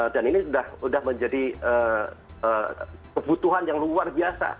dan ini sudah menjadi kebutuhan yang luar biasa